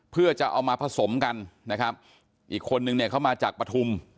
เพื่อจะเอามาผสมกันนะครับอีกคนนึงเนี่ยเขามาจากปฐุม